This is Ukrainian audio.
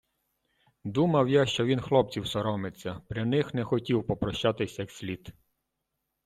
Думав я, що він хлопців соромився, при них не хотів попрощатись як слід.